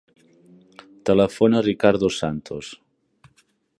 Telefona al Ricard Dos Santos.